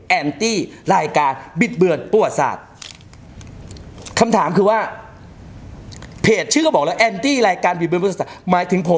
แอนตี้รายการบิดเบิดปวสัตว์คำถามคือว่าเพจชื่อบอกแล้วแอนตี้รายการบิดเบิดปวสัตว์หมายถึงผมอย่าง